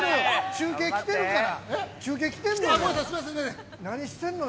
◆中継来てるから。